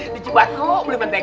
dicipatu beli mentega